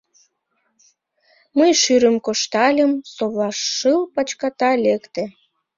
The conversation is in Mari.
Мый шӱрым коштальым, совлаш шыл пачката лекте.